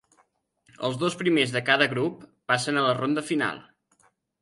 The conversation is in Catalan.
Els dos primers de cada grup passen a la ronda final.